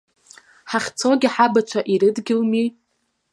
Ҳахьцогьы ҳабацәа ирыдгьылми.